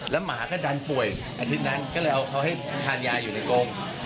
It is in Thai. หมาก็ดันป่วยอาทิตย์นั้นก็เลยเอาเขาให้ทานยาอยู่ในกรง